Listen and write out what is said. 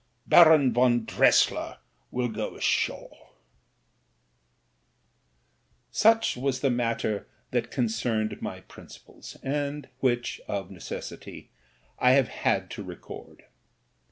Baron von Dressier will go ashore." RETRIBUTION 171 Such was the other matter that concerned my prin cipals, and which, of necessity, I have had to record.